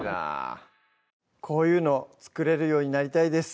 こういうの作れるようになりたいです